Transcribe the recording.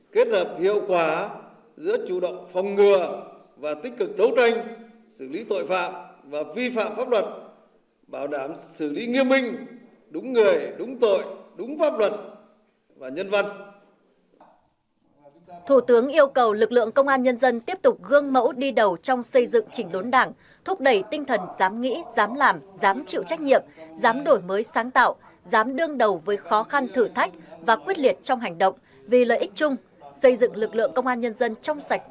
kết hợp hiệu quả giữa chủ động phòng ngừa và tích cực đấu tranh xử lý tội phạm và vi phạm pháp luật